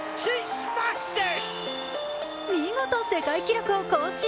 見事、世界記録を更新！